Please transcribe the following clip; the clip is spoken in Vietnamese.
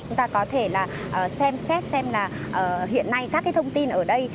chúng ta có thể là xem xét xem là hiện nay các cái thông tin ở đây